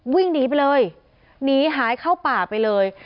วิ่งหนีไปเลยหนีหายเข้าป่าไปเลย